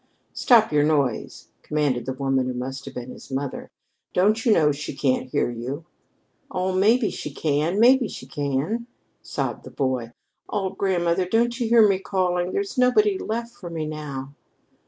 "Stop your noise," commanded the woman who must have been his mother. "Don't you know she can't hear you?" "Oh, maybe she can! Maybe she can," sobbed the boy. "Oh, grandmother, don't you hear me calling? There's nobody left for me now."